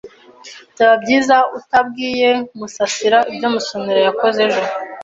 Byaba byiza utabwiye Musasira ibyo Musonera yakoze ejo.